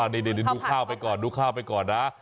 นี่ดูข้าวไปก่อนนะ